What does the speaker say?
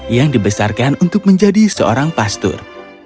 yang dibesarkan untuk menjadi seorang pastor